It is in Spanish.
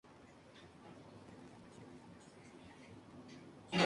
Usualmente es referida simplemente como Chincha.